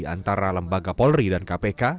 antara lembaga polri dan kpk